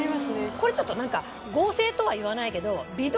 これちょっと何か合成とは言わないけど。